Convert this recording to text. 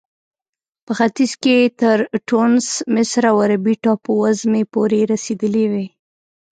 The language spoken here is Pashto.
په ختیځ کې تر ټونس، مصر او عربي ټاپو وزمې پورې رسېدلې وې.